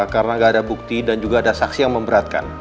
karena gak ada bukti dan juga ada saksi yang memberatkan